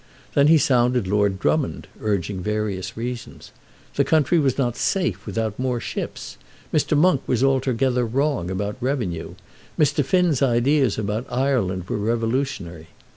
Then he sounded Lord Drummond, urging various reasons. The country was not safe without more ships. Mr. Monk was altogether wrong about revenue. Mr. Finn's ideas about Ireland were revolutionary.